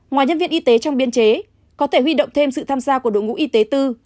ngoài nhân viên y tế trong biên chế có thể huy động thêm sự tham gia của đội ngũ y tế tư